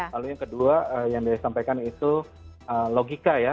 lalu yang kedua yang disampaikan itu logika ya